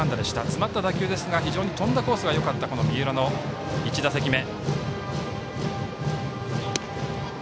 詰まった打球ですが飛んだコースが非常によかった三浦の１打席目。